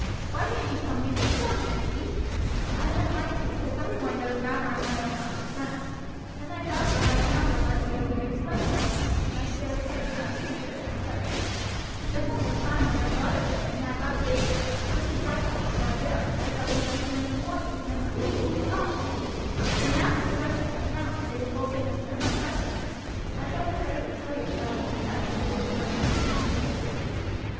Why didn't you tell me before, Sankey?" "I didn't like to, because every one knows Mather and I are not good friends; then I thought perhaps Mather might be able to explain it all right, and I should have cut a nice figure if he could; then at the time when I thought of it, and had got the dates right, the first excitement had died out and I thought we might hear no more of it and it would be forgotten; but now that the book has been found and the whole thing has come up fresh again I thought it better to tell you all about it and ask you what you would advise me to do."